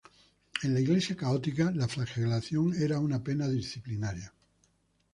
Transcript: En la Iglesia católica, la flagelación era una pena disciplinaria.